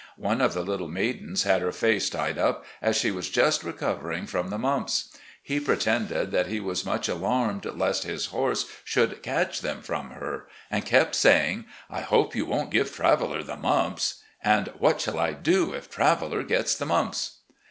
One of the little maidens had her face tied up, as she was just recovering from the mumps. He pretended that he was much alarmed lest his horse should catch them from her, and kept saying: "I hope you won't give Traveller the mumps!" and "What shall I do if Traveller gets the mumps?"